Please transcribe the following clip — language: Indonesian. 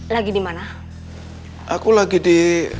lagi dimana aku lagi di